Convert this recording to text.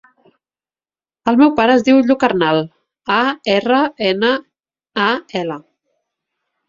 El meu pare es diu Lluc Arnal: a, erra, ena, a, ela.